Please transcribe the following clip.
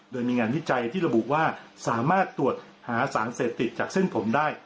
โดยมีงานวิจัยที่ระบุว่าสามารถตรวจหาสารเสพติดจากเส้นผมได้